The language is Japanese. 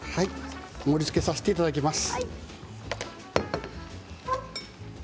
盛りつけさせていただきます。